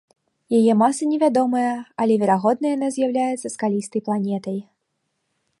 Яе маса невядомая, але, верагодна, яна з'яўляецца скалістай планетай.